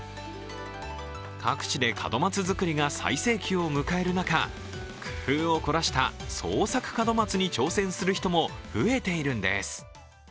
各地で門松作りが最盛期を迎える中、工夫を凝らした創作門松に挑戦する人も増えているんです。